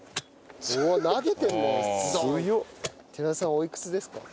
おいくつですか？